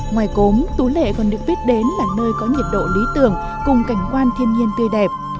ngoài cốm tú lệ còn được biết đến là nơi có nhiệt độ lý tưởng cùng cảnh quan thiên nhiên tươi đẹp